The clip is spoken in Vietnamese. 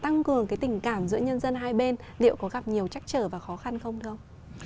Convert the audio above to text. tăng cường cái tình cảm giữa nhân dân hai bên liệu có gặp nhiều trách trở và khó khăn không không